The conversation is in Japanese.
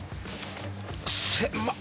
狭っ。